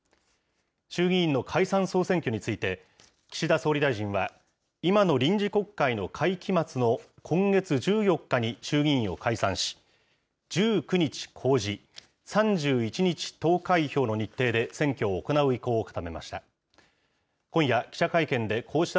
衆議院の解散・総選挙について、岸田総理大臣は、今の臨時国会の会期末の今月１４日に衆議院を解散し、１９日公示、３１日投開票の日程で選挙を行う意向を固めました。